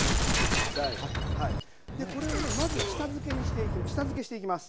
でこれをねまずは下漬けしていきます。